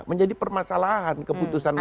menjadi permasalahan keputusan munas